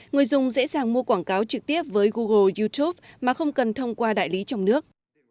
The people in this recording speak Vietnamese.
người dùng dễ dàng mua quảng cáo trực tiếp với google youtube mà không cần thông qua đại lý trong nước